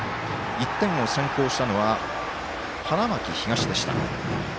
１点を先行したのは、花巻東。